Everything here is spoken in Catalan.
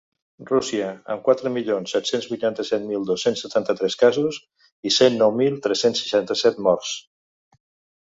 Rússia, amb quatre milions set-cents vuitanta-set mil dos-cents setanta-tres casos i cent nou mil tres-cents seixanta-set morts.